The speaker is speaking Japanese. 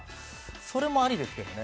それもありですよね。